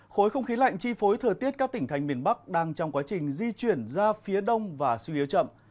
khối không khí lạnh chi phối thời tiết các tỉnh thành miền bắc đang trong quá trình di chuyển ra phía đông và suy yếu chậm